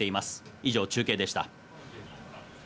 以上、中継でした。